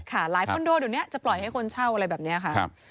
หลายคอนโดเดี๋ยวนี้จะปล่อยให้คนเช่าอะไรแบบนี้ค่ะ